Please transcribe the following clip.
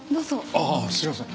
ああすみません。